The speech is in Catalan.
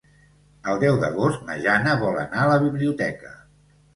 El deu d'agost na Jana vol anar a la biblioteca.